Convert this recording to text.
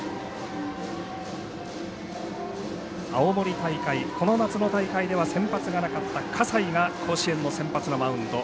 青森大会、この夏の大会では先発がなかった葛西が甲子園の先発のマウンド。